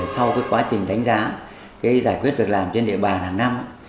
sau quá trình đánh giá giải quyết việc làm trên địa bàn hàng năm